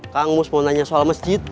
kang mus mau nanya soal masjid